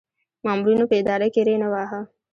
مامورینو په اداره کې ری نه واهه.